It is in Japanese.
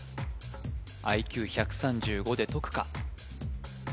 ＩＱ１３５で解くか？